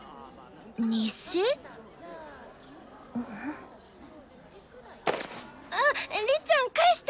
日誌？ありっちゃん返して！